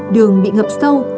đường bị ngập sâu